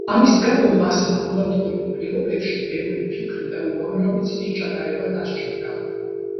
ამის გამო მას ლაბორატორიულ პირობებში ბევრი ფიქრი და უამრავი ცდის ჩატარება დასჭირდა.